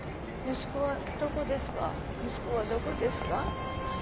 息子はどこですか？